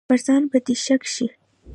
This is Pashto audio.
پر ځان به دې شک شي.